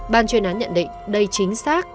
bàn truyền án nhận định đây chính xác